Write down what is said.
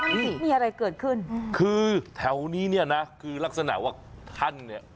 ไม่มีอะไรเกิดขึ้นคือแถวนี้เนี่ยนะคือลักษณะว่าท่านเนี่ย